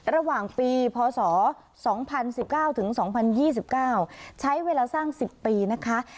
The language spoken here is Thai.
ระหว่างปีพศ๒๐๑๙ถึง๒๐๒๙ใช้เวลาสร้าง๑๐ปีนะคะ